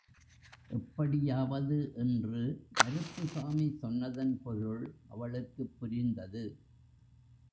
எப்படியாவது என்று கருப்புசாமி சொன்னதன் பொருள் அவளுக்குப் புரிந்தது.